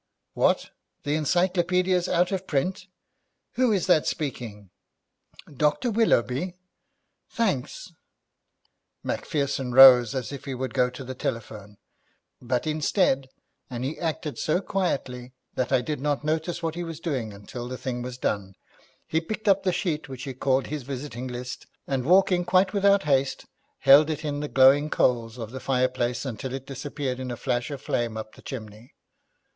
What, the encyclopaedia's out of print? Who is that speaking? Dr. Willoughby; thanks.' Macpherson rose as if he would go to the telephone, but instead (and he acted so quietly that I did not notice what he was doing until the thing was done), he picked up the sheet which he called his visiting list, and walking quite without haste, held it in the glowing coals of the fireplace until it disappeared in a flash of flame up the chimney.